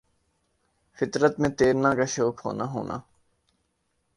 فطر ت میں تیرنا کا شوق ہونا ہونا